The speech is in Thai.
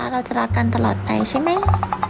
เราจะรักกันตลอดไปใช่ไหม